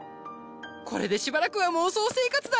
これでしばらくは妄想生活だ！